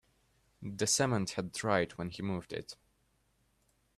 The cement had dried when he moved it.